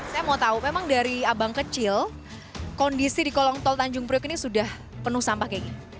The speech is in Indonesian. saya mau tahu memang dari abang kecil kondisi di kolong tol tanjung priok ini sudah penuh sampah kayak gini